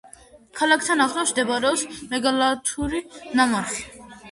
ქალაქთან ახლოს მდებარეობს მეგალითური ნამარხი.